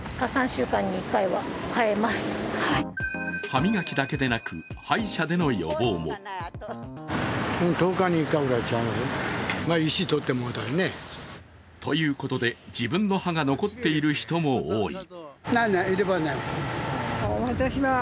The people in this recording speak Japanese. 歯磨きだけでなく歯医者での予防も。ということで、自分の歯が残っている人も多い。